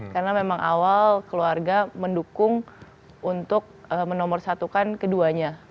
karena memang awal keluarga mendukung untuk menomorsatukan keduanya